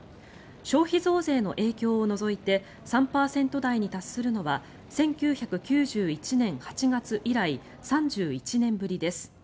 消費増税の影響を除いて３％台に達するのは１９９１年８月以来３１年ぶりです。